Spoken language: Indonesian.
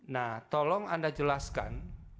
nah tolong anda jelaskan